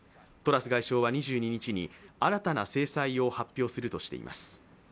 トラス外相は２２日に新たな制裁を発表するとしています。